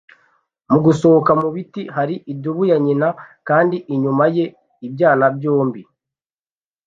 Mu gusohoka mu biti hari idubu ya nyina, kandi inyuma ye, ibyana byombi.